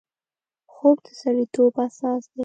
خوب د سړیتوب اساس دی